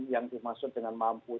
yang dimaksud dengan mampu